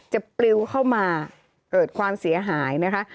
ปลิวเข้ามาเกิดความเสียหายนะคะ